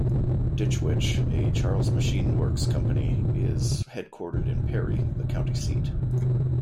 Ditch Witch, a Charles Machine Works company, is headquartered in Perry, the county seat.